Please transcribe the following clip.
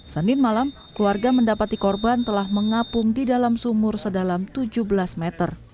senin malam keluarga mendapati korban telah mengapung di dalam sumur sedalam tujuh belas meter